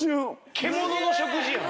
獣の食事やん。